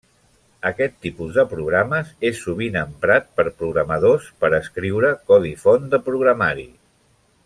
Aquest tipus de programes és sovint emprat per programadors per escriure codi font de programari.